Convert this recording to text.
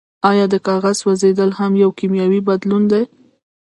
ایا د کاغذ سوځیدل هم یو کیمیاوي بدلون دی